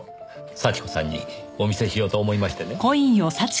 幸子さんにお見せしようと思いましてね。